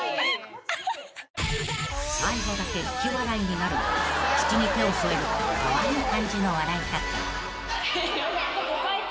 ［最後だけ引き笑いになるも口に手を添えるカワイイ感じの笑い方］